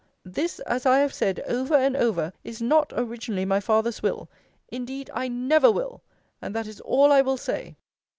This, as I have said over and over, is not originally my father's will. Indeed I never will and that is all I will say!